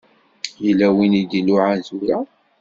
Yella win i d-iluɛan tura.